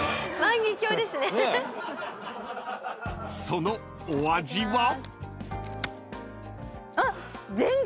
［そのお味は？］あっ！